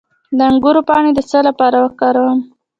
د انګور پاڼې د څه لپاره وکاروم؟